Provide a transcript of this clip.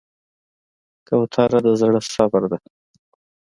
کوتره د زړه صبر ده.